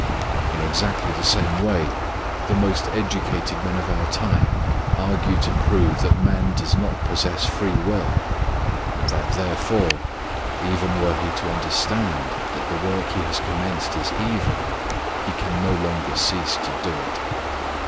In exactly the same way the most educated men of our time argue to prove that man does not possess free will, and that, therefore, even were he to understand that the work he has commenced is evil, he can no longer cease to do it.